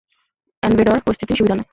Endeavour, পরিস্থিতি সুবিধার না।